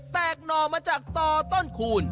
หน่อมาจากต่อต้นคูณ